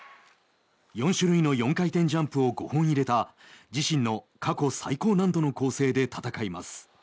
４種類の４回転ジャンプを５本入れた自身の過去最高難度の構成で戦います。